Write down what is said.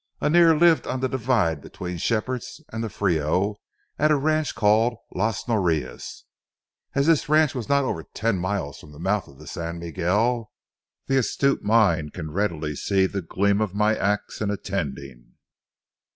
Annear lived on the divide between Shepherd's and the Frio at a ranch called Las Norias. As this ranch was not over ten miles from the mouth of the San Miguel, the astute mind can readily see the gleam of my ax in attending.